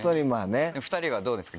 ２人はどうですか？